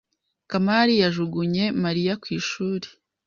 Kamari yajugunye Mariya ku ishuri.